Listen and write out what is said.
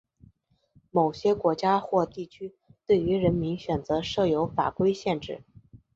某些国家或地区对于人名选择设有法规限制。